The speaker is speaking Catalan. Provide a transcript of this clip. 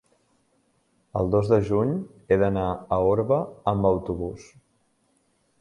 El dos de juny he d'anar a Orba amb autobús.